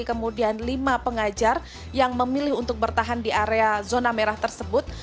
kemudian lima pengajar yang memilih untuk bertahan di area zona merah tersebut